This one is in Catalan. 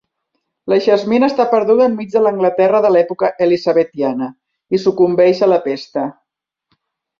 La Jasmine està perduda en mig de l'Anglaterra de l'època elisabetiana i sucumbeix a la pesta.